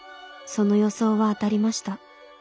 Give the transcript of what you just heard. その予想は当たりました。